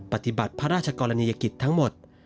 ปฏิบัติพระราชกรณียกิจทั้งหมด